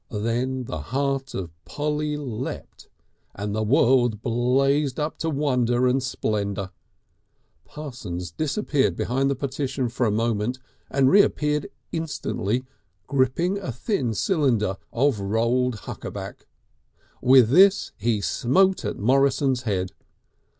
Then the heart of Polly leapt and the world blazed up to wonder and splendour. Parsons disappeared behind the partition for a moment and reappeared instantly, gripping a thin cylinder of rolled huckaback. With this he smote at Morrison's head.